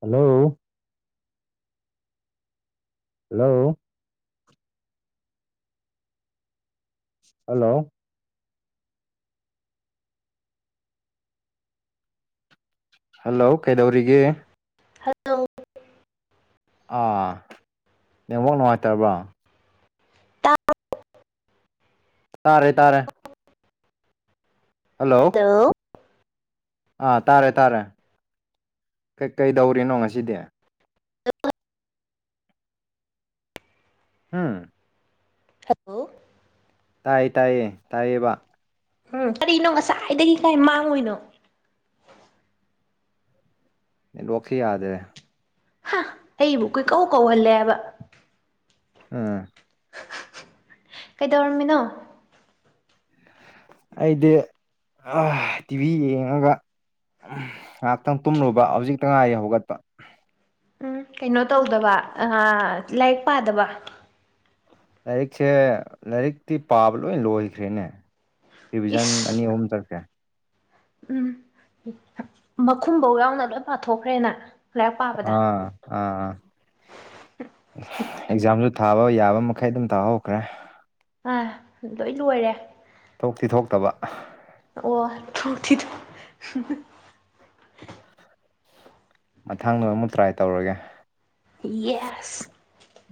hello hello hello hello ꯀꯩꯗꯧꯔꯤꯒꯦ hello ꯑꯥ network ꯅꯨꯡꯉꯥꯏꯇꯔꯕ [inaudible] ꯇꯥꯔꯦ ꯇꯥꯔꯦ ꯍꯜꯂꯣ ꯑꯥ ꯇꯥꯔꯦ ꯇꯥꯔꯦ ꯀꯩ ꯀꯩꯗꯧꯔꯤꯅꯣ ꯉꯁꯤꯗꯤ ꯎꯝ [inaudible] ꯇꯥꯏ ꯇꯥꯏꯌꯦ ꯇꯥꯏꯌꯦꯕ ꯍꯨꯝ ꯀꯔꯤꯅꯣ ꯉꯁꯥꯏꯗꯒꯤ ꯀꯥꯏ ꯃꯥꯡꯉꯨꯏꯅꯣ ꯅꯦꯠꯋꯥꯛꯁꯦ ꯌꯥꯗꯔꯦ ꯍꯥ ꯑꯩꯕꯨ ꯀꯣꯏꯀꯧ ꯀꯧꯍꯜꯂꯦꯕ ꯎꯝ ꯀꯩꯗꯧꯔꯝꯃꯤꯅꯣ ꯑꯩꯗꯤ ꯑꯥ ꯇꯤꯚꯤ ꯌꯦꯡꯉꯒ ꯉꯥꯛꯇꯪ ꯇꯨꯝꯂꯨꯕ ꯍꯧꯖꯤꯛꯇ ꯉꯥꯏꯔꯤ ꯍꯧꯒꯠꯄ ꯎꯝ ꯀꯩꯅꯣ ꯇꯧꯗꯕ ꯑꯥ ꯂꯥꯏꯔꯤꯛ ꯄꯥꯗꯕ ꯂꯥꯏꯔꯤꯛꯁꯦ ꯂꯥꯏꯔꯤꯛꯇꯤ ꯄꯥꯕ ꯂꯣꯏ ꯂꯣꯏꯈ꯭ꯔꯦꯅꯦ ꯔꯤꯚꯤꯖꯟ ꯏꯁ ꯑꯅꯤ ꯑꯍꯨꯝ ꯆꯠꯈ꯭ꯔꯦ ꯎꯝ ꯃꯈꯨꯝꯕꯧ ꯌꯥꯎꯅ ꯂꯣꯏ ꯄꯥꯊꯣꯛꯈ꯭ꯔꯦ ꯅꯪ ꯑꯥ ꯑꯥ ꯑꯦꯛꯖꯥꯝꯖꯨ ꯊꯥꯕ ꯌꯥꯕ ꯃꯈꯩ ꯑꯗꯨꯝ ꯇꯥꯍꯧꯈ꯭ꯔꯦ ꯑꯥ ꯂꯣꯏ ꯂꯣꯏꯔꯦ ꯊꯣꯛꯇꯤ ꯊꯣꯛꯇꯕ ꯑꯣ ꯊ꯭ꯔꯣꯛꯊꯤꯊꯣ ꯃꯊꯪ ꯑꯃꯨꯛ ꯇ꯭ꯔꯥꯏ ꯇꯧꯔꯒꯦ ꯌꯦꯁ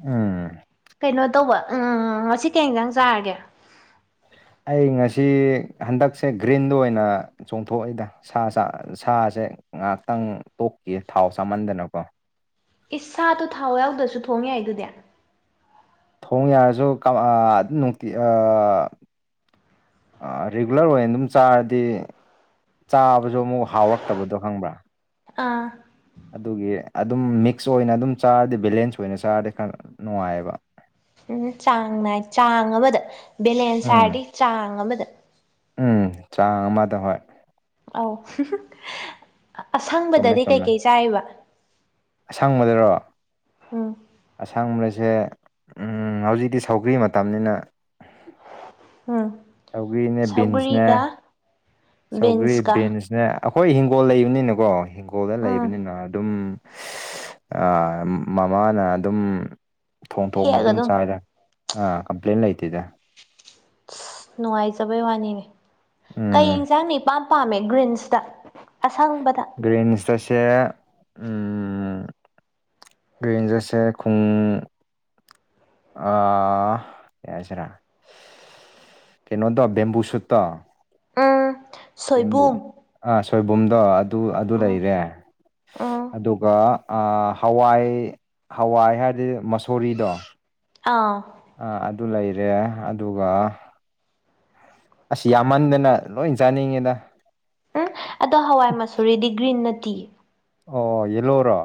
ꯎꯝ ꯀꯩꯅꯣ ꯇꯧꯕ ꯎꯝ ꯉꯁꯤ ꯀꯩ ꯍꯦꯟꯖꯥꯡ ꯆꯥꯔꯒꯦ ꯑꯩ ꯉꯁꯤ ꯍꯟꯗꯛꯁꯦ ꯒ꯭ꯔꯤꯟꯗꯨ ꯑꯣꯏꯅ ꯆꯣꯡꯊꯣꯛꯑꯣꯏꯗ ꯁꯥꯁꯥ ꯁꯥꯖꯦ ꯉꯍꯥꯛꯇꯪ ꯇꯣꯛꯈꯤꯒꯦ ꯊꯥꯎ ꯆꯥꯃꯟꯗꯅꯀꯣ ꯏꯁ ꯁꯥꯗꯣ ꯊꯥꯎ ꯌꯥꯎꯗ꯭ꯔꯁꯨ ꯊꯣꯡ ꯌꯥꯏ ꯗꯨꯗꯤ ꯊꯣꯡ ꯌꯥꯔꯖꯨ ꯀꯥ ꯑ ꯑꯗꯨꯝ ꯅꯨꯡꯇꯤ ꯑ ꯑꯥ ꯔꯤꯒꯨꯂꯔ ꯑꯣꯏꯅ ꯑꯗꯨꯝ ꯆꯥꯔꯗꯤ ꯆꯥꯕꯁꯨ ꯑꯃꯨꯛ ꯍꯥꯎꯔꯛꯇꯕꯗꯣ ꯈꯪꯕ꯭ꯔꯥ ꯑꯥ ꯑꯗꯨꯒꯤ ꯑꯗꯨꯝ ꯃꯤꯛꯁ ꯑꯣꯏꯅ ꯑꯗꯨꯝ ꯆꯥꯔꯗꯤ ꯕꯦꯂꯦꯟꯁ ꯑꯣꯏꯅ ꯆꯥꯔꯗꯤ ꯈꯔ ꯅꯨꯡꯉꯥꯏꯌꯦꯕ ꯎꯝ ꯆꯥꯡ ꯅꯥꯏ ꯆꯥꯡ ꯑꯃꯗ ꯕꯦꯂꯦꯟꯁ ꯎꯝ ꯍꯥꯏꯔꯗꯤ ꯆꯥꯡ ꯑꯃꯗ ꯎꯝ ꯆꯥꯡ ꯑꯃꯗ ꯍꯣꯏ ꯑꯧ ꯆꯨꯝꯃꯦ ꯑꯁꯪꯕꯗꯗꯤ ꯀꯩ ꯆꯨꯝꯃꯦ ꯀꯩ ꯆꯥꯏꯕ ꯑꯁꯪꯕꯗꯔꯣ ꯎꯝ ꯑꯁꯪꯕꯁꯦ ꯎꯝ ꯍꯧꯖꯤꯛꯇꯤ ꯁꯧꯒ꯭ꯔꯤ ꯃꯇꯝꯅꯤꯅ ꯎꯝ ꯁꯧꯒ꯭ꯔꯤꯅꯦ ꯕꯤꯟꯁꯅꯦ ꯁꯧꯒ꯭ꯔꯤꯒ ꯁꯧꯒ꯭ꯔꯤ ꯕꯤꯟꯁꯀ ꯕꯤꯟꯁꯅꯦ ꯑꯩꯈꯣꯏ ꯍꯤꯡꯒꯣꯜ ꯂꯩꯕꯅꯤꯅꯀꯣ ꯍꯤꯡꯒꯣꯜꯗ ꯎꯝ ꯂꯩꯕꯅꯤꯅ ꯑꯗꯨꯝ ꯑꯥ ꯃꯃꯥꯅ ꯑꯗꯨꯝ ꯊꯣꯡ ꯊꯣꯡꯕ ꯑꯗꯨꯝ ꯆꯥꯏꯗ ꯑꯥ ꯀꯝꯄ꯭ꯂꯦꯟ ꯂꯩꯇꯦꯗ ꯅꯨꯡꯉꯥꯏꯖꯕꯩ ꯋꯥꯅꯤꯅꯦ ꯀꯩ ꯎꯝ ꯏꯟꯁꯥꯡꯅ ꯏꯄꯥꯝ ꯄꯥꯝꯃꯦ ꯒ꯭ꯔꯤꯟꯁꯇ ꯑꯁꯪꯕꯗ ꯒ꯭ꯔꯤꯟꯁꯇꯁꯦ ꯎꯝ ꯒ꯭ꯔꯤꯟꯁꯇꯁꯦ ꯈꯨꯡ ꯑꯥ ꯀꯩ ꯍꯥꯏꯁꯤꯔꯥ ꯀꯩꯅꯣꯗꯣ ꯕꯦꯝꯕꯨ ꯁꯨꯠꯇꯣ ꯎꯝ ꯕꯦꯝꯕꯨ ꯁꯣꯏꯕꯨꯝ ꯑꯥ ꯁꯣꯏꯕꯨꯝꯗꯣ ꯑꯗꯨ ꯑꯗꯨ ꯎꯝ ꯂꯩꯔꯦ ꯎꯝ ꯑꯗꯨꯒ ꯑꯥ ꯍꯋꯥꯏ ꯍꯋꯥꯏ ꯍꯥꯏꯗꯤ ꯃꯁꯣꯔꯤꯗꯣ ꯑꯥ ꯑꯥ ꯑꯗꯨ ꯂꯩꯔꯦ ꯑꯗꯨꯒ ꯑꯁ ꯌꯥꯝꯃꯟꯗꯅ ꯂꯣꯢ ꯆꯥꯅꯤꯡꯉꯤꯗ ꯎꯝ ꯑꯗꯣ ꯍꯋꯥꯢ ꯃꯁꯨꯔꯤꯗꯤ ꯒ꯭ꯔꯤꯟꯅ ꯅꯠꯇꯤꯌꯦ ꯑꯣ ꯌꯦꯜꯂꯣꯔꯣ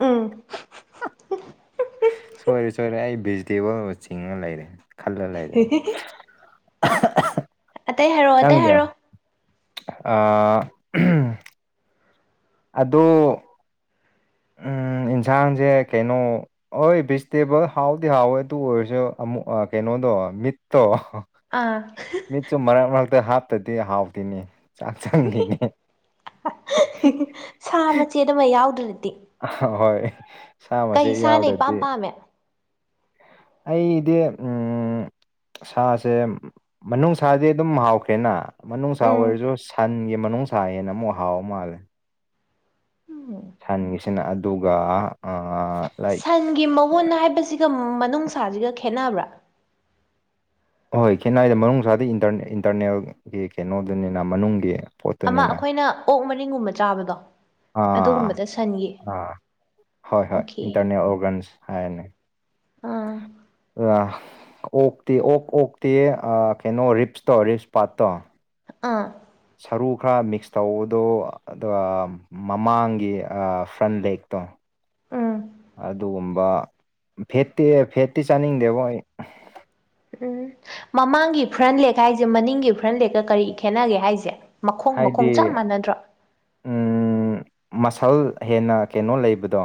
ꯎꯝ ꯁꯣꯢꯔꯦ ꯁꯣꯢꯔꯦ ꯑꯩ ꯚꯦꯖꯤꯇꯦꯕꯜ ꯑꯃ ꯆꯤꯡꯉ ꯂꯩꯔꯦ ꯈꯜꯂ ꯂꯩꯔꯦ [unintelligible] ꯑꯇꯩ ꯍꯥꯢꯔꯛꯔꯣ ꯑꯇꯩ ꯅꯪꯗꯤ ꯍꯥꯢꯔꯣ ꯑꯥ ꯎꯝ ꯑꯗꯣ ꯎꯝ ꯌꯦꯟꯁꯥꯡꯁꯦ ꯀꯩꯅꯣ ꯍꯣꯢ ꯚꯤꯖꯤꯇꯦꯕꯜ ꯍꯥꯎꯗꯤ ꯍꯥꯎꯋꯦ ꯑꯗꯨ ꯑꯣꯢꯔꯁꯨ ꯑꯃꯨꯛ ꯀꯩꯅꯣꯗꯣ ꯃꯤꯠꯇꯣ ꯑꯥ [unintelligible] ꯁꯨꯝ ꯃꯔꯛ ꯃꯔꯛꯇ ꯍꯥꯞꯇꯗꯤ ꯍꯥꯎꯇꯅꯤ ꯆꯥꯛ ꯆꯪꯗꯦꯅꯦ ꯁꯥ ꯃꯆꯦꯠ ꯑꯃ ꯌꯥꯎꯗ꯭ꯔꯗꯤ ꯑꯍ ꯍꯣꯢ ꯁꯥ ꯀꯩ ꯃꯆꯦꯠ ꯁꯥꯅ ꯌꯥꯎꯗꯗꯤ ꯏꯄꯥꯝ ꯄꯥꯝꯃꯦ ꯑꯩꯗꯤ ꯎꯝ ꯁꯥꯁꯦ ꯃꯅꯨꯡ ꯁꯥꯗꯤ ꯑꯗꯨꯝ ꯍꯥꯎꯈ꯭ꯔꯦꯅ ꯃꯅꯨꯡꯁꯥ ꯎꯝ ꯑꯣꯢꯔꯁꯨ ꯁꯟꯒꯤ ꯃꯅꯨꯡꯁꯥ ꯍꯦꯟꯅ ꯑꯃꯨꯛ ꯍꯥꯎ ꯃꯥꯜꯂꯦ ꯎꯝ ꯁꯟꯒꯤꯁꯤꯅ ꯑꯗꯨꯒ ꯑꯥ ꯑꯥ ꯁꯟꯒꯤ ꯃꯎꯟ ꯍꯥꯢꯕꯁꯤꯒ ꯃꯅꯨꯡꯁꯥꯁꯤꯒ ꯈꯦꯠꯅꯕ꯭ꯔꯥ ꯑꯍꯣꯏ ꯈꯦꯟꯅꯥꯏꯗ ꯃꯅꯨꯡꯗꯤ ꯏꯟꯇꯔ ꯏꯟꯇꯔꯅꯦꯜꯒꯤ ꯀꯩꯅꯣꯗꯨꯅꯤꯅ ꯃꯅꯨꯡꯒꯤ ꯑꯃ ꯄꯣꯠꯇꯨꯅꯤꯅ ꯑꯩꯈꯣꯏꯅ ꯑꯣꯛ ꯃꯔꯤꯡꯒꯨꯝꯕ ꯆꯥꯕꯗꯣ ꯑꯥ ꯑꯗꯨꯒꯨꯝꯕꯗ ꯁꯟꯒꯤ ꯑꯥ ꯍꯣꯢ ꯍꯣꯢ ꯑꯣꯀꯦ ꯏꯟꯇꯔꯅꯦꯜ ꯑꯣꯔꯒꯟꯁ ꯍꯥꯢꯔꯅꯦ ꯑꯥ [unintelligible] ꯑꯣꯛꯇꯤ ꯑꯣꯛ ꯑꯣꯛꯇꯤ ꯑꯥ ꯀꯩꯅꯣ ꯔꯤꯞꯁꯇꯣ ꯔꯤꯞꯁ ꯄꯥꯔꯠꯇꯣ ꯑꯥ ꯁꯔꯨ ꯈꯔ ꯃꯤꯛꯁ ꯇꯧꯕꯗꯣ ꯑꯗꯨꯒ ꯃꯃꯥꯡꯒꯤ ꯑꯥ ꯐ꯭ꯔꯟ ꯂꯦꯛꯇꯣ ꯎꯝ ꯑꯗꯨꯒꯨꯝꯕ ꯐꯦꯠꯇꯤ ꯐꯦꯠꯇꯤ ꯆꯥꯅꯤꯡꯗꯦꯕꯣ ꯑꯩ ꯎꯝ ꯃꯃꯥꯡꯒꯤ ꯐ꯭ꯔꯟꯂꯦꯛ ꯍꯥꯢꯁꯦ ꯃꯅꯤꯡꯒꯤ ꯐ꯭ꯔꯟꯂꯦꯛꯀ ꯀꯔꯤ ꯈꯦꯠꯅꯒꯦ ꯍꯥꯢꯖꯦ ꯍꯥꯢꯗꯤ ꯎꯝ ꯃꯁꯜ ꯍꯦꯟꯅ ꯀꯩꯅꯣ ꯂꯩꯕꯗꯣ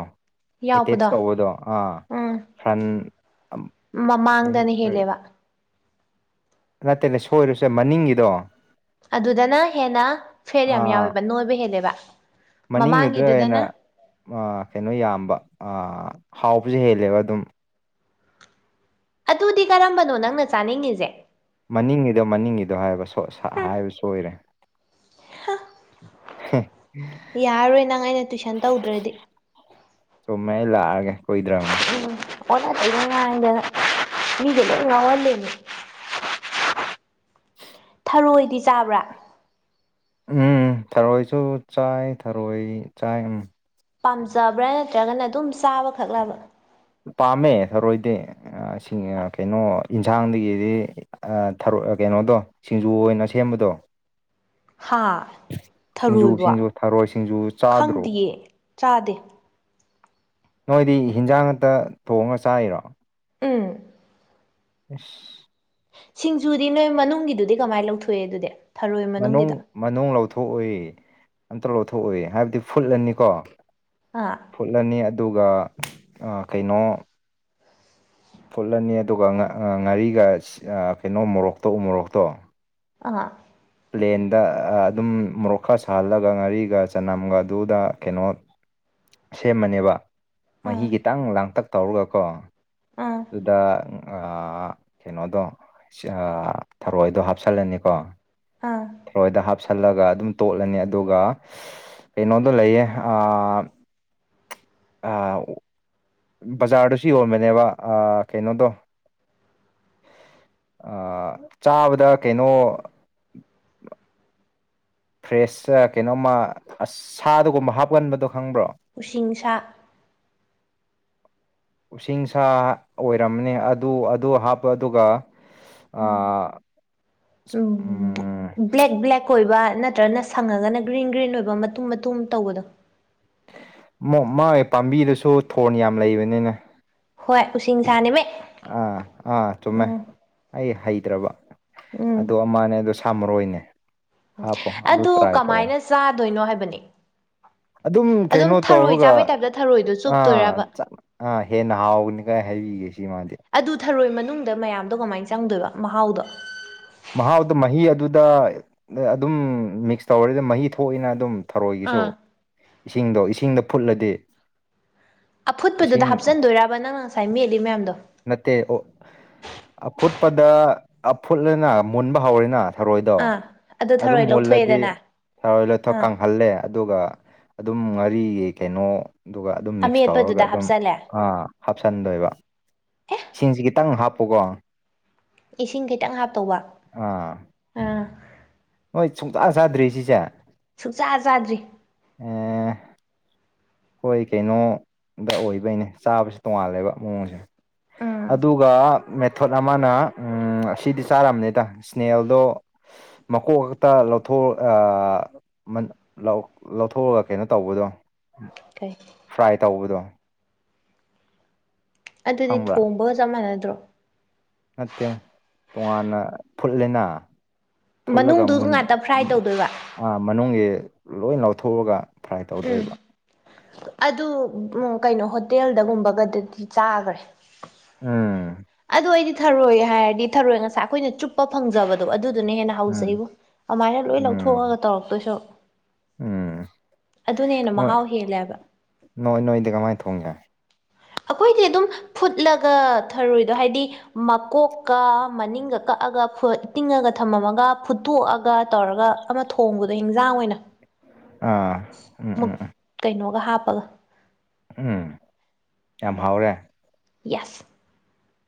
ꯑꯦꯇꯦꯆ ꯌꯥꯎꯕꯗꯣ ꯇꯧꯕꯗꯣ ꯑꯥ ꯎꯝ ꯐ꯭ꯔꯟ ꯃꯃꯥꯡꯗꯅ ꯍꯦꯜꯂꯦꯕ ꯅꯠꯇꯦꯅꯦ ꯁꯣꯢꯔꯨꯁꯦ ꯃꯅꯤꯡꯒꯤꯗꯣ ꯑꯗꯨꯗꯅ ꯍꯦꯟꯅ ꯐꯦꯠ ꯌꯥꯝ ꯌꯥꯎꯋꯦꯕ ꯅꯣꯏꯕ ꯍꯦꯜꯂꯦꯕ ꯃꯅꯤꯡ ꯒꯤꯗꯨꯗ ꯍꯦꯟꯅ ꯃꯃꯥꯡꯒꯤꯗꯨꯗꯅ ꯑꯥ ꯀꯩꯅꯣ ꯌꯥꯝꯕ ꯍꯥꯎꯕꯁꯨ ꯍꯦꯜꯂꯦꯕ ꯑꯗꯨꯝ ꯑꯗꯨꯗꯤ ꯀꯔꯝꯕꯅꯣ ꯅꯪꯅ ꯆꯥꯅꯤꯡꯉꯤꯖꯦ ꯃꯅꯤꯡꯉꯤꯗꯣ ꯃꯅꯤꯡꯉꯤꯗꯣ ꯍꯥꯏꯕ ꯁꯣ ꯁꯥ ꯍꯥꯢꯕ ꯁꯣꯢꯔꯦ ꯍꯥ ꯌꯥꯔꯔꯣꯢ ꯅꯪ ꯑꯩꯅ ꯇꯨꯢꯁꯟ ꯇꯧꯗ꯭ꯔꯗꯤ ꯆꯨꯝꯃꯦ ꯑꯩ ꯂꯥꯛꯑꯒꯦ ꯀꯨꯢꯗꯔꯅꯤ ꯎꯝ ꯑꯣꯅ ꯇꯦꯢꯅꯥ ꯉꯥꯢꯗꯅ ꯃꯤꯒ ꯂꯣꯢ ꯉꯥꯎꯍꯜꯂꯦꯃꯤ ꯊꯔꯣꯢꯗꯤ ꯆꯥꯕ꯭ꯔꯥ ꯎꯝ ꯊꯔꯣꯏꯁꯨ ꯆꯥꯏ ꯊꯔꯣꯏ ꯆꯥꯏ ꯎꯝ ꯄꯥꯝꯖꯕ꯭ꯔꯥ ꯅꯠꯇ꯭ꯔꯒꯅ ꯑꯗꯨꯝ ꯆꯥꯕꯈꯛꯂꯕ ꯄꯥꯝꯃꯦ ꯊꯔꯣꯏꯗꯤ ꯑꯥ ꯁꯤꯡ ꯑꯥ ꯀꯩꯅꯣ ꯏꯟꯁꯥꯡꯗꯒꯤꯗꯤ ꯑꯥ ꯊꯔꯣꯏ ꯀꯩꯅꯣꯗꯣ ꯁꯤꯡꯖꯨ ꯑꯣꯏꯅ ꯁꯦꯝꯕꯗꯣ ꯍꯥ ꯁꯤꯡꯖꯨ ꯊꯔꯣꯏꯕꯣ ꯁꯤꯡꯖꯨ ꯊꯔꯣꯏ ꯁꯤꯡꯖꯨ ꯆꯥꯗ꯭ꯔꯣ ꯈꯪꯗꯤꯌꯦ ꯆꯥꯗꯦ ꯅꯣꯏꯗꯤ ꯍꯤꯟꯖꯥꯡ ꯉꯥꯛꯇ ꯊꯣꯡꯉꯥ ꯆꯥꯏꯔꯣ ꯎꯝ ꯑꯁ ꯁꯤꯡꯖꯨꯗꯤ ꯅꯣꯏ ꯃꯅꯨꯡꯒꯤꯗꯨꯗꯤ ꯀꯃꯥꯏꯅ ꯂꯧꯊꯣꯛꯏ ꯑꯗꯨꯗꯤ ꯊꯔꯣꯏ ꯃꯅꯨꯡ ꯃꯅꯨꯡꯒꯤꯗꯣ ꯃꯅꯨꯡ ꯂꯧꯊꯣꯛꯑꯣꯏꯌꯦ ꯑꯝꯇ ꯂꯧꯊꯣꯛꯑꯣꯏꯌꯦ ꯍꯥꯏꯕꯗꯤ ꯐꯨꯠꯂꯅꯤꯀꯣ ꯑꯥ ꯐꯨꯠꯂꯅꯤ ꯑꯗꯨꯒ ꯑꯥ ꯀꯩꯅꯣ ꯐꯨꯠꯂꯅꯤ ꯑꯗꯨꯒ ꯉꯥ ꯉꯥꯔꯤꯒ ꯑꯁ ꯑꯥ ꯀꯩꯅꯣ ꯃꯣꯔꯣꯛꯇꯣ ꯎ ꯃꯣꯔꯣꯛꯇꯣ ꯑꯥ ꯄ꯭ꯂꯦꯟꯗ ꯑꯗꯨꯝ ꯃꯣꯔꯣꯛ ꯈꯔ ꯁꯥꯍꯜꯂꯒ ꯉꯥꯔꯤꯒ ꯆꯅꯝꯒ ꯑꯗꯨꯗ ꯀꯩꯅꯣ ꯁꯦꯝꯃꯅꯦꯕ ꯃꯍꯤ ꯑꯥ ꯈꯤꯇꯪ ꯂꯥꯡꯇꯛ ꯇꯧꯔꯒꯀꯣ ꯑꯥ ꯑꯗꯨꯗ ꯑꯥ ꯀꯩꯅꯣꯗꯣ ꯑꯥ ꯊꯔꯣꯏꯗꯣ ꯍꯥꯞꯆꯜꯂꯅꯦꯀꯣ ꯑꯥ ꯊꯔꯣꯏꯗꯣ ꯍꯥꯞꯁꯜꯂꯒ ꯑꯗꯨꯝ ꯇꯣꯠꯂꯅꯤ ꯑꯗꯨꯒ [unintelligible] ꯀꯩꯅꯣꯗꯣ ꯂꯩꯌꯦ ꯑꯥ ꯑꯥ ꯕꯖꯥꯔꯗꯁꯨ ꯌꯣꯟꯕꯅꯦꯕ ꯑꯥ ꯀꯩꯅꯣꯗꯣ ꯑꯥ ꯆꯥꯕꯗ ꯀꯩꯅꯣ ꯐ꯭ꯔꯦꯁꯂ ꯀꯩꯅꯣꯝꯃ ꯑꯁ ꯁꯥꯗꯒꯨꯝꯕ ꯍꯥꯞꯀꯟꯕꯗꯣ ꯈꯪꯕ꯭ꯔꯣ ꯎꯁꯤꯡ ꯁꯥ ꯎꯁꯤꯡꯁꯥ ꯑꯣꯏꯔꯝꯅꯤ ꯑꯗꯨ ꯑꯗꯨ ꯍꯥꯞꯄ ꯑꯗꯨꯒ ꯑꯥ [unintelligible] ꯕꯨꯛ ꯕ꯭ꯂꯦꯛ ꯕ꯭ꯂꯦꯛ ꯑꯣꯏꯕ ꯅꯠꯇ꯭ꯔꯒꯅ ꯁꯪꯉꯒꯅ ꯒ꯭ꯔꯤꯟ ꯒ꯭ꯔꯤꯟ ꯑꯣꯏꯕ ꯃꯇꯨꯝ ꯃꯇꯨꯝ ꯇꯧꯕꯗꯣ ꯃꯥ ꯃꯥꯒꯤ ꯄꯥꯝꯕꯤꯗꯨꯁꯨ ꯊꯣꯔꯟ ꯌꯥꯝ ꯂꯩꯕꯅꯤꯅꯦ ꯍꯣꯏ ꯎꯁꯤꯡ ꯁꯥꯅꯦꯃꯦ ꯑꯥ ꯑꯥ ꯆꯨꯝꯃꯦ ꯎꯝ ꯑꯩ ꯍꯩꯇ꯭ꯔꯕ ꯎꯝ ꯑꯗꯨ ꯑꯃꯅꯦ ꯑꯗꯨ ꯁꯥꯃꯔꯣꯏꯅꯦ ꯑꯗꯨ ꯀꯃꯥꯏꯅ ꯆꯥꯗꯣꯏꯅꯣ ꯍꯥꯏꯕꯅꯦ ꯑꯗꯨꯝ ꯀꯩꯅꯣ ꯇꯧꯔꯒ ꯊꯔꯣꯏꯗꯣ ꯑꯥ ꯆꯨꯞꯇꯣꯏꯔꯕ ꯆꯥ ꯑꯥ ꯍꯦꯟꯅ ꯍꯥꯎꯕꯅꯤꯀꯣ ꯍꯥꯏꯕꯤꯒꯦ ꯁꯤ ꯃꯥꯗꯤ ꯑꯗꯨ ꯊꯔꯣꯏ ꯃꯅꯨꯡꯗ ꯃꯌꯥꯝꯗꯣ ꯀꯃꯥꯏꯟ ꯆꯪꯗꯣꯏꯕ ꯃꯍꯥꯎꯗꯣ ꯃꯍꯥꯎꯗꯣ ꯃꯍꯤ ꯑꯗꯨꯗ ꯑꯗꯨꯝ ꯃꯤꯛꯁ ꯇꯧꯔꯗꯤ ꯃꯍꯤ ꯊꯣꯛꯏꯅ ꯑꯗꯨꯝ ꯊꯔꯣꯏꯒꯤꯁꯨ ꯑꯥ ꯏꯁꯤꯡꯗꯣ ꯏꯁꯤꯡꯗ ꯐꯨꯠꯂꯗꯤ ꯏꯁꯤꯡ ꯑꯐꯨꯠꯄꯗꯨꯗ ꯍꯥꯞꯆꯟꯗꯣꯏꯔꯕ ꯅꯪꯅ ꯉꯁꯥꯏ ꯃꯦꯠꯂꯤ ꯃꯌꯥꯝꯗꯣ ꯅꯠꯇꯦ ꯑꯣ ꯑꯐꯨꯠꯄꯗ ꯑꯐꯨꯠꯂꯦꯅꯥ ꯃꯨꯟꯕ ꯍꯧꯔꯦꯅꯥ ꯊꯔꯣꯏꯗꯣ ꯑꯥ ꯑꯗꯨ ꯑꯗꯨꯝ ꯊꯔꯣꯏ ꯃꯨꯜꯂꯗꯤ ꯂꯧꯊꯣꯛꯑꯦꯗꯅ ꯊꯔꯣꯏ ꯑꯥ ꯂꯣꯏꯊꯣꯛꯀꯪ ꯍꯜꯂꯦ ꯑꯗꯨꯒ ꯑꯗꯨꯝ ꯉꯥꯔꯤꯒꯤ ꯀꯩꯅꯣ ꯑꯗꯨꯒ ꯑꯗꯨꯝ ꯃꯤꯛꯁ ꯇꯧꯔꯒ ꯑꯃꯦꯠꯄꯗꯨꯗ ꯑꯗꯨꯝ ꯍꯥꯞꯆꯜꯂꯦ ꯑꯥ ꯍꯥꯞꯆꯟꯗꯣꯏꯕ ꯏꯁꯤꯡꯖꯤ ꯈꯤꯇꯪ ꯍꯥꯞꯄꯨꯀꯣ ꯏꯁꯤꯡ ꯈꯤꯇꯪ ꯍꯥꯞꯇꯧꯕ ꯑꯥ ꯑꯥ ꯍꯣꯏ ꯆꯨꯡꯆꯥ ꯆꯥꯗ꯭ꯔꯤ ꯁꯤꯁꯦ ꯁꯨꯛꯆꯥ ꯆꯥꯗ꯭ꯔꯤ ꯑꯣ ꯍꯣꯏ ꯀꯩꯅꯣꯗ ꯑꯣꯏꯕꯩꯅꯦ ꯆꯥꯕꯖꯨ ꯇꯣꯡꯉꯥꯜꯂꯦꯕ ꯃꯑꯣꯡꯖꯦ ꯎꯝ ꯑꯗꯨꯒ ꯃꯦꯊꯣꯠ ꯑꯃꯅ ꯎꯝ ꯎꯝ ꯑꯁꯤꯗꯤ ꯆꯥꯔꯝꯅꯤꯗ ꯁ꯭ꯅꯦꯜꯗꯣ ꯃꯀꯣꯛ ꯈꯛꯇ ꯂꯧꯊꯣꯛ ꯑꯥ ꯃꯥ ꯂꯧ ꯂꯧꯊꯣꯛꯑꯒ ꯀꯩꯅꯣ ꯇꯧꯕꯗꯣ ꯀꯩ ꯐ꯭ꯔꯥꯏ ꯇꯧꯕꯗꯣ ꯑꯗꯨꯗꯤ ꯈꯪꯕ꯭ꯔꯥ ꯊꯣꯡꯕꯒ ꯆꯞ ꯃꯥꯟꯅꯗ꯭ꯔꯣ ꯅꯠꯇꯦ ꯇꯣꯉꯥꯟꯅ ꯐꯨꯠꯂꯦꯅꯥ ꯐꯨꯠꯂꯒ ꯃꯅꯨꯡꯗꯨ ꯃꯨꯟ ꯉꯥꯛꯇ ꯐ꯭ꯔꯥꯏ ꯇꯧꯗꯣꯏꯕ ꯑꯥ ꯃꯅꯨꯡꯒꯤ ꯂꯣꯏ ꯂꯧꯊꯣꯛꯑꯒ ꯐ꯭ꯔꯥꯏ ꯎꯝ ꯇꯧꯗꯣꯏꯕ ꯑꯗꯨ ꯎꯝ ꯀꯩꯅꯣ ꯍꯣꯇꯦꯜꯗꯒꯨꯝꯕꯒꯗꯗꯤ ꯆꯥꯒ꯭ꯔꯦ ꯎꯝ ꯑꯩꯈꯣꯢꯗꯤ ꯊꯔꯣꯏ ꯍꯥꯏꯔꯗꯤ ꯊꯔꯣꯏ ꯉꯁꯥꯏ ꯑꯈꯣꯏꯅ ꯆꯨꯞꯄ ꯐꯪꯖꯕꯗꯣ ꯑꯗꯨꯗꯨꯅ ꯍꯦꯟꯅ ꯎꯝ ꯍꯥꯎꯖꯩꯕꯣ ꯑꯃꯥꯏꯅ ꯂꯣꯏ ꯎꯝ ꯂꯧꯊꯣꯛꯑꯒ ꯇꯧꯔꯛꯇꯣꯏ ꯁꯔꯨꯛ ꯎꯝ ꯑꯗꯨꯅ ꯍꯦꯟꯅ ꯅꯣꯏ ꯃꯍꯥꯎ ꯍꯦꯜꯂꯦ ꯍꯥꯏꯕ ꯅꯣꯏ ꯅꯣꯏꯗꯤ ꯀꯃꯥꯏ ꯊꯣꯡꯒꯦ ꯑꯈꯣꯏꯗꯤ ꯑꯗꯨꯝ ꯐꯨꯠꯂꯒ ꯊꯔꯣꯏꯗꯣ ꯍꯥꯏꯗꯤ ꯃꯀꯣꯛꯀ ꯃꯅꯤꯡꯒ ꯀꯛꯑꯒ ꯐꯨꯠ ꯇꯤꯡꯉꯒ ꯊꯝꯃꯝꯃꯒ ꯐꯨꯠꯇꯣꯛꯑꯒ ꯇꯧꯔꯒ ꯑꯃ ꯊꯣꯡꯕꯗꯣ ꯍꯦꯟꯖꯥꯡ ꯑꯣꯏꯅ ꯑꯥ ꯎꯝ ꯎꯝ ꯃꯨꯛ ꯎꯝ ꯀꯩꯅꯣꯒ ꯍꯥꯞꯄꯒ ꯎꯝ ꯌꯥꯝ ꯍꯥꯎꯔꯦ ꯌꯦꯁ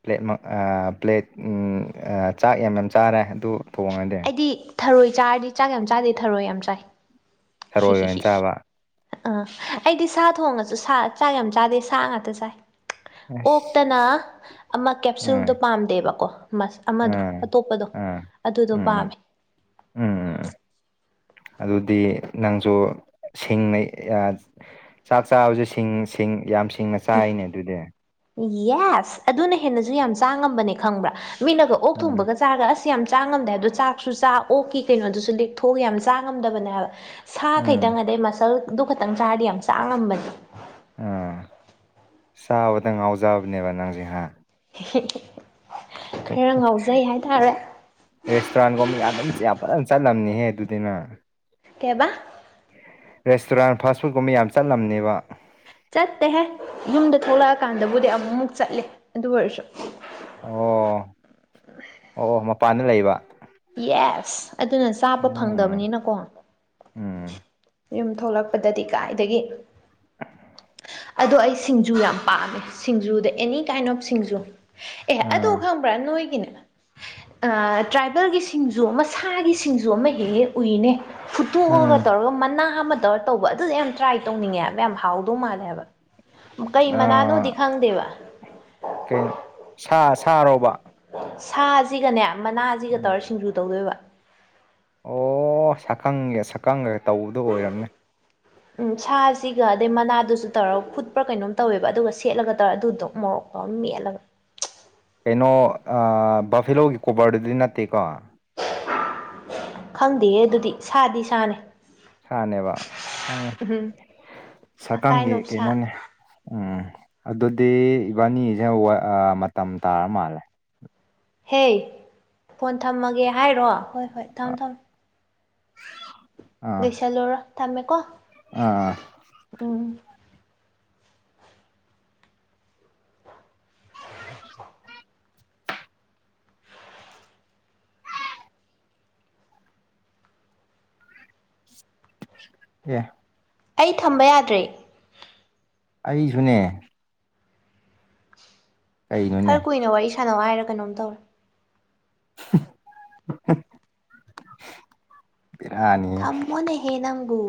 ꯄ꯭ꯂꯦꯠꯃꯛ ꯑꯥ ꯄ꯭ꯂꯦꯠ ꯎꯝ ꯑꯥ ꯆꯥꯛ ꯌꯥꯝ ꯌꯥꯝ ꯆꯥꯔꯦ ꯑꯗꯨ ꯊꯣꯡꯉꯗꯤ ꯑꯩꯗꯤ ꯊꯔꯣꯏ ꯆꯥꯔꯗꯤ ꯆꯥꯛ ꯌꯥꯝ ꯆꯥꯗꯦ ꯊꯔꯣꯏ ꯌꯥꯝ ꯆꯥꯏ ꯍꯤ ꯊꯔꯣꯏ ꯍꯤ ꯑꯣꯏꯅ ꯍꯤ ꯆꯥꯕ ꯑꯥ ꯑꯩꯗꯤ ꯁꯥ ꯊꯣꯡꯉꯁꯨ ꯁꯥ ꯆꯥꯛ ꯌꯥꯝ ꯆꯥꯗꯦ ꯁꯥ ꯉꯥꯛꯇ ꯆꯥꯏ ꯑꯁ ꯑꯣꯛꯇꯅ ꯑꯃ ꯀꯦꯞꯁꯨꯜꯗꯣ ꯎꯝ ꯄꯥꯝꯗꯦꯕꯀꯣ ꯃꯁ ꯑꯃꯗꯣ ꯎꯝ ꯑꯇꯣꯞꯄꯗꯣ ꯎꯝ ꯑꯗꯨꯗꯣ ꯎꯝ ꯄꯥꯝꯃꯦ ꯎꯝ ꯑꯗꯨꯗꯤ ꯅꯪꯖꯨ ꯁꯤꯡꯅ ꯌꯥ ꯆꯥꯛ ꯆꯥꯕꯖꯦ ꯁꯤꯡ ꯁꯤꯡ ꯌꯥꯝ ꯁꯤꯡꯅ ꯆꯥꯏꯅꯦ ꯑꯗꯨꯗꯤ ꯌꯦꯁ ꯑꯗꯨꯅ ꯍꯦꯟꯅꯖꯨ ꯌꯥꯝ ꯆꯥ ꯉꯝꯕꯅꯦ ꯈꯪꯕ꯭ꯔꯥ ꯃꯤꯅꯒ ꯑꯣꯛ ꯎꯝ ꯊꯣꯡꯕꯒꯁꯦ ꯆꯥꯒ ꯑꯁ ꯌꯥꯝ ꯆꯥ ꯉꯝꯗꯦ ꯑꯗꯣ ꯆꯥꯛꯁꯨ ꯆꯥ ꯑꯣꯛꯀꯤ ꯀꯩꯅꯣꯗꯨꯁꯨ ꯂꯦꯛꯊꯣꯛꯑꯒ ꯌꯥꯝ ꯆꯥ ꯉꯝꯗꯕꯅꯦ ꯍꯥꯏꯕ ꯁꯥ ꯎꯝ ꯈꯇꯪ ꯑꯗꯩ ꯃꯁꯜꯗꯨ ꯈꯛꯇꯪ ꯆꯥꯔꯗꯤ ꯌꯥꯝ ꯆꯥ ꯉꯝꯕꯅꯦ ꯎꯝ ꯆꯥꯕꯗ ꯉꯥꯎꯖꯕꯅꯦꯕ ꯅꯪꯁꯤ ꯍꯥ ꯈꯔ ꯉꯥꯎꯖꯩ ꯍꯥꯏꯇꯥꯔꯦ ꯔꯦꯁꯇꯨꯔꯥꯟꯒꯨꯝꯕ ꯌꯥꯝ ꯑꯗꯨꯝ ꯌꯥꯝ ꯐꯖꯅ ꯆꯠꯂꯝꯅꯤꯍꯦ ꯑꯗꯨꯗꯤ ꯅꯪ ꯀꯩꯕꯥ ꯔꯦꯁꯇꯨꯔꯥꯟ ꯐꯥꯁ ꯐꯨꯠ ꯀꯨꯝꯕ ꯌꯥꯝ ꯆꯠꯂꯝꯅꯦꯕ ꯆꯠꯇꯦꯍꯦ ꯌꯨꯝꯗ ꯊꯣꯛꯂꯛꯑꯀꯥꯟꯗꯕꯨꯗꯤ ꯑꯃꯨꯛꯃꯨꯛ ꯆꯠꯂꯦ ꯑꯗꯨ ꯑꯣꯏꯔꯁꯨ ꯑꯣ ꯑꯣ ꯑꯣ ꯃꯄꯥꯟꯗ ꯂꯩꯕ ꯌꯦꯁ ꯑꯗꯨꯅ ꯆꯥꯕ ꯎꯝ ꯐꯪꯗꯕꯅꯤꯅꯀꯣ ꯎꯝ ꯌꯨꯝ ꯊꯣꯛꯂꯛꯄꯗꯗꯤ ꯀꯥꯏꯗꯒꯤ ꯑꯗꯣ ꯑꯩ ꯁꯤꯡꯖꯨ ꯌꯥꯝ ꯄꯥꯝꯃꯦ ꯁꯤꯡꯖꯨꯗ ꯑꯦꯅꯤ ꯀꯥꯏꯟ ꯑꯣꯐ ꯁꯤꯡꯖꯨ ꯑꯦ ꯑꯗꯨ ꯑꯥ ꯈꯪꯕ꯭ꯔꯥ ꯅꯣꯏꯒꯤꯅꯦ ꯑꯥ ꯇ꯭ꯔꯥꯞ ꯅꯣꯏꯒꯤ ꯁꯤꯡꯖꯨ ꯑꯃ ꯁꯥꯒꯤ ꯁꯤꯡꯖꯨ ꯑꯃ ꯍꯦ ꯍꯦꯛ ꯎꯏꯅꯦ ꯐꯨꯠꯇꯣꯛꯑꯒ ꯎꯝ ꯇꯧꯔꯒ ꯃꯅꯥ ꯑꯃ ꯇꯧꯔ ꯇꯧꯕ ꯑꯗꯨꯗꯣ ꯌꯥꯝ ꯇ꯭ꯔꯥꯏ ꯇꯧꯅꯤꯡꯉꯦ ꯍꯥꯏꯕ ꯌꯥꯝ ꯍꯥꯎꯗꯧ ꯃꯥꯜꯂꯦ ꯍꯥꯏꯕ ꯀꯩ ꯃꯅꯥꯅꯣꯗꯤ ꯑꯥ ꯈꯪꯗꯦꯕ ꯀꯩ ꯁꯥ ꯁꯥꯔꯣꯕ ꯁꯥꯖꯤꯒꯅꯦ ꯃꯅꯥꯖꯤꯒ ꯇꯧꯔ ꯁꯤꯡꯖꯨ ꯇꯧꯗꯣꯏꯕ ꯑꯣ ꯁꯛꯈꯪꯒꯦ ꯁꯛꯈꯪꯒꯦ ꯇꯧꯕꯗꯣ ꯑꯣꯏꯔꯝꯅꯦ ꯎꯝ ꯁꯥꯁꯤꯒ ꯑꯗꯩ ꯃꯅꯥꯗꯨꯁꯨ ꯇꯧꯔꯒ ꯐꯨꯠꯄ꯭ꯔꯥ ꯀꯩꯅꯣꯝ ꯇꯧꯋꯦꯕ ꯑꯗꯨꯒ ꯁꯦꯠꯂꯒ ꯇꯧꯔ ꯑꯗꯨꯗꯣ ꯎ ꯃꯣꯔꯣꯛ ꯃꯦꯠꯂꯒ ꯀꯩꯅꯣ ꯑꯥ ꯕꯥꯐꯦꯂꯣꯒꯤ ꯀꯣꯕꯔꯗꯨꯗꯤ ꯅꯠꯇꯦꯀꯣ ꯈꯪꯗꯦ ꯍꯦ ꯑꯗꯨꯗꯤ ꯁꯥꯗꯤ ꯁꯥꯅꯦ ꯁꯥꯅꯦꯕꯪ ꯑꯣ ꯁꯥꯀꯪꯒꯤ ꯑꯀꯥꯏꯅꯣꯞꯁꯥ ꯀꯩꯅꯣꯅꯦ ꯎꯝ ꯑꯗꯨꯗꯤ ꯏꯕꯥꯅꯤꯖꯦ [unintelligible] ꯑꯥ ꯃꯇꯝ ꯇꯥꯔ ꯃꯥꯜꯂꯦ ꯍꯦ ꯐꯣꯟ ꯊꯝꯃꯒꯦ ꯍꯥꯏꯔꯣ ꯍꯣꯏ ꯍꯣꯏ ꯑꯥ ꯊꯝꯃꯣ ꯊꯝꯃꯣ [unintelligible] ꯂꯣꯏꯁꯜꯂꯨꯔꯣ ꯊꯝꯃꯦꯀꯣ ꯑꯥ ꯑꯥ ꯎꯝ ꯌꯦ ꯑꯩ ꯊꯝꯕ ꯌꯥꯗ꯭ꯔꯦ ꯑꯩꯁꯨꯅꯦ ꯀꯩꯅꯣꯅꯦ ꯈꯔ ꯀꯨꯏꯅ ꯋꯥꯔꯤ ꯁꯥꯟꯅꯧ ꯍꯥꯏꯔ ꯀꯩꯅꯣꯝ ꯇꯧꯔꯦ [inaudible] ꯕꯦꯔꯥꯅꯤ ꯊꯝꯃꯣꯅꯦꯍꯦ ꯅꯪꯕꯨ